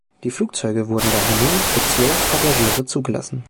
Die Flugzeuge wurden daher nur für zwölf Passagiere zugelassen.